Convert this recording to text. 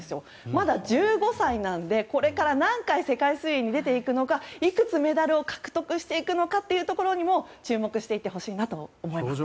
まだ１５歳なのでこれから何回世界水泳に出てくるのかいくつメダルを獲得していくのかというところにも注目していってほしいなと思います。